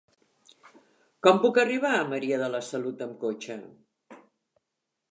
Com puc arribar a Maria de la Salut amb cotxe?